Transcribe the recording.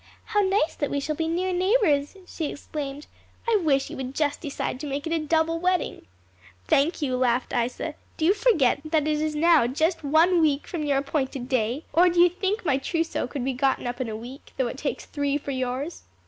"How nice that we shall be near neighbors," she exclaimed. "I wish you would just decide to make it a double wedding." "Thank you," laughed Isa; "do you forget that it is now just one week from your appointed day? or do you think my trousseau could be gotten up in a week, though it takes three for yours?"